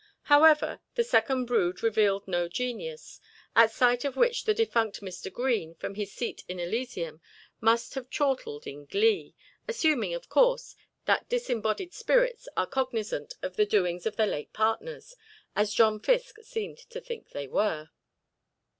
However, the second brood revealed no genius, at sight of which the defunct Mr. Green from his seat in Elysium must have chortled in glee, assuming, of course, that disembodied spirits are cognizant of the doings of their late partners, as John Fiske seemed to think they were.